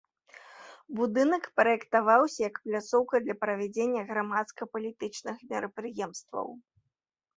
Будынак праектаваўся як пляцоўка для правядзення грамадска-палітычных мерапрыемстваў.